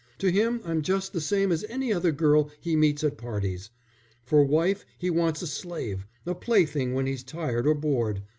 To him I'm just the same as any other girl he meets at parties. For wife he wants a slave, a plaything when he's tired or bored.